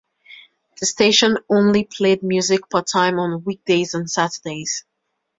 The station still only played music part-time on weekdays and Saturdays.